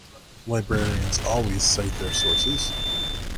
Librarians always cite their sources.